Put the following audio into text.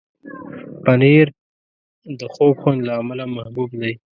پنېر د خوږ خوند له امله محبوب دی.